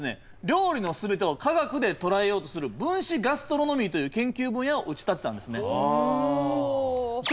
料理の全てを科学で捉えようとする分子ガストロノミーという研究分野を打ち立てたんですね。